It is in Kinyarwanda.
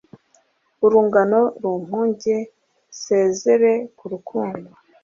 Urungano rumpunge Nsezere ku rukundo